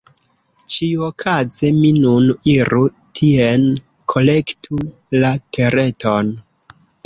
Ĉiuokaze mi nun iru tien, kolektu la Tereton…